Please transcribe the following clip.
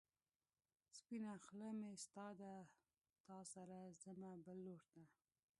سپينه خلۀ مې ستا ده، تا سره ځمه بل لور ته